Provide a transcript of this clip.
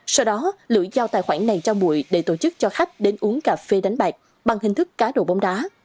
sau đó lữ giao tài khoản này cho mụi để tổ chức cho khách đến uống cà phê đánh bạc bằng hình thức cá độ bóng đá